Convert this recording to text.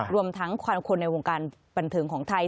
รวมทั้งควันคนในวงการบันเทิงของไทย